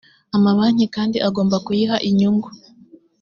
amabanki kandi agomba kuyiha inyungu